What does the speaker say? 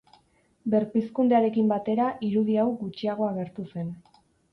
Berpizkundearekin batera irudi hau gutxiago agertu zen.